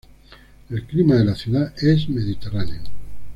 El clima de la ciudad es mediterráneo.